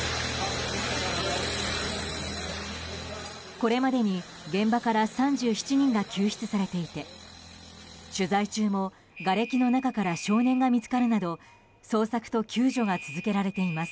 これまでに現場から３７人が救出されていて取材中も、がれきの中から少年が見つかるなど捜索と救助が続けられています。